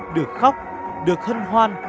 được khóc được hân hoan